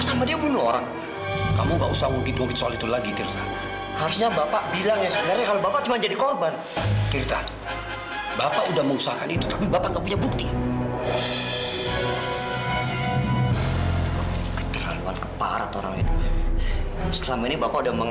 sampai jumpa di video selanjutnya